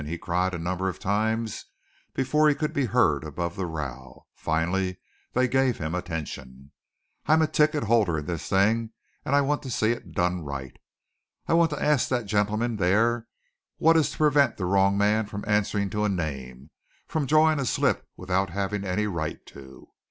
he cried a number of times before he could be heard above the row. Finally they gave him attention. "I'm a ticket holder in this thing; and I want to see it done right. I want to ask that gentleman there what is to prevent the wrong man from answering to a name, from drawing a slip without having any right to?"